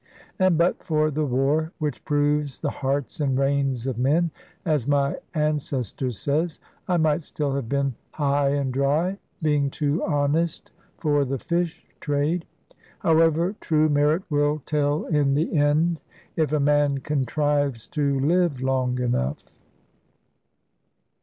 And but for the war (which proves the hearts and reins of men, as my ancestor says), I might still have been high and dry, being too honest for the fish trade. However, true merit will tell in the end, if a man contrives to live long enough.